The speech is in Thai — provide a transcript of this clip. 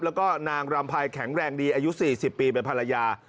แล้วก็นางรำภัยแข็งแรงดีอายุ๔๐ปีเป็นภรรยา